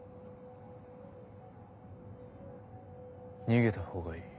逃げたほうがいい。